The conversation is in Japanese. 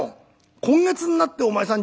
今月んなってお前さん